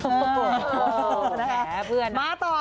อยู่บ้านกับใครครับ